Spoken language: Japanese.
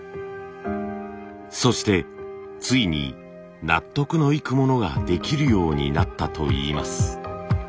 そしてついに納得のいくものができるようになったといいます。